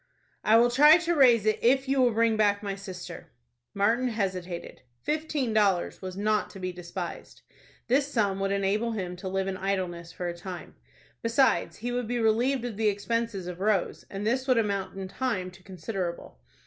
"I will try to raise it, if you will bring back my sister." Martin hesitated. Fifteen dollars was not to be despised. This sum would enable him to live in idleness for a time. Besides he would be relieved of the expenses of Rose, and this would amount in time to considerable.